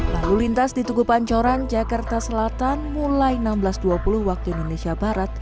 lalu lintas di tugu pancoran jakarta selatan mulai enam belas dua puluh waktu indonesia barat